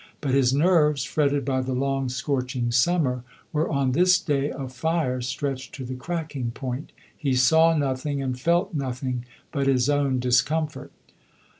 But his nerves, fretted by the long scorching summer, were on this day of fire stretched to the cracking point. He saw nothing, and felt nothing, but his own discomfort.